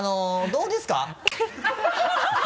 どうです？